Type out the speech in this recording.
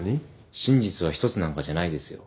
真実は１つなんかじゃないですよ。